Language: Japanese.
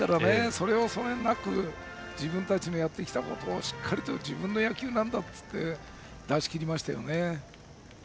それを恐れなく自分たちがやってきたことをしっかりと自分の野球なんだと出し切りましたよね。